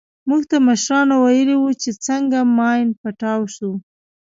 موږ ته مشرانو ويلي وو چې څنگه ماين پټاو سو.